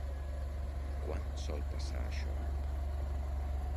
Quan sol passar això?